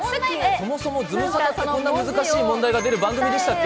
そもそもズムサタってこんな難しい問題が出る番組でしたっけ？